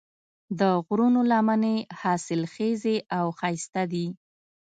د غرونو لمنې حاصلخیزې او ښایسته دي.